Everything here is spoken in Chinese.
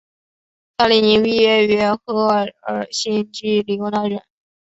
萨里宁毕业于赫尔辛基理工大学。